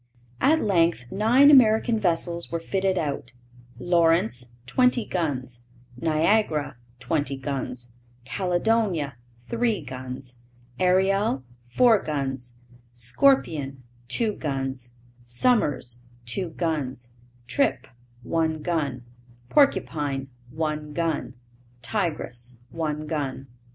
At length nine American vessels were fitted out Lawrence, twenty guns; Niagara, twenty guns; Caledonia, three guns; Ariel, four guns; Scorpion, two guns; Somers, two guns; Trippe, one gun; Porcupine, one gun; Tigress, one gun.